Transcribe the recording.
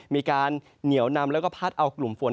มีการเหนียวนำแล้วก็พัดเอากลุ่มฝน